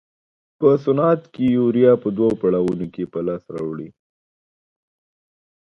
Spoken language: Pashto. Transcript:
په صنعت کې یوریا په دوو پړاوونو کې په لاس راوړي.